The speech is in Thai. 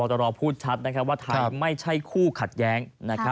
พ่อบอโจรพูดชัดนะครับว่าจะไม่ใช่คู่ขัดแย้ง